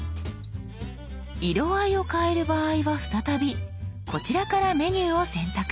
色合いを変える場合は再びこちらからメニューを選択。